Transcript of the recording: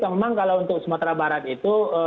memang kalau untuk sumatera barat itu